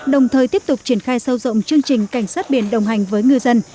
đồng thời tiếp tục triển khai sâu rộng chương trình cảnh sát biển đồng hành với ngư dân